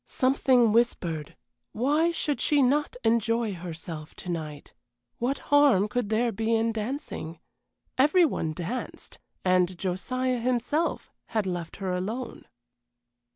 Something whispered, Why should she not enjoy herself to night? What harm could there be in dancing? Every one danced and Josiah, himself, had left her alone.